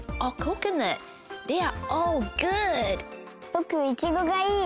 ぼくいちごがいい！